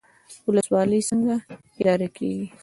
ولسوالۍ څنګه اداره کیږي؟